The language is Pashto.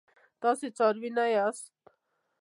تاسي څاروي نه یاست.